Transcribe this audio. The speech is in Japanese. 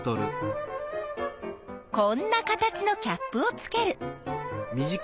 こんな形のキャップをつける。